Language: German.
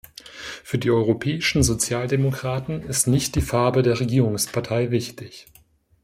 Für die europäischen Sozialdemokraten ist nicht die Farbe der Regierungspartei wichtig.